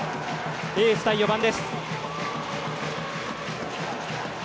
エース対４番です。